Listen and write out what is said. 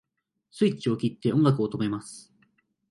スイッチを切って音楽を止めます